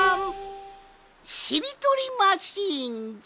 しりとりマシーンじゃ！